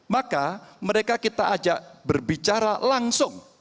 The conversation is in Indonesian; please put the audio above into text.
maka mereka kita ajak berbicara langsung